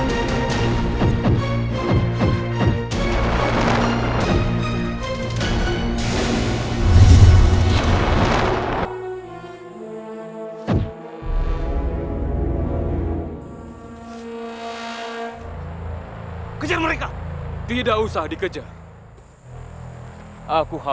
kamu gurunya ada siapa